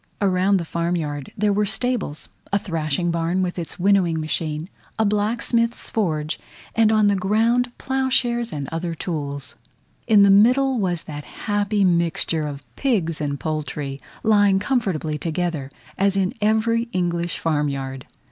Around the farm yard there were stables, a thrashing barn with its winnowing machine, a blacksmith's forge, and on the ground ploughshares and other tools: in the middle was that happy mixture of pigs and poultry, lying comfortably together, as in every English farm yard.